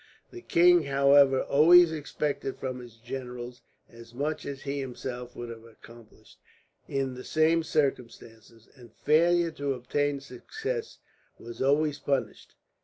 The king, however, always expected from his generals as much as he himself would have accomplished, in the same circumstances, and failure to obtain success was always punished.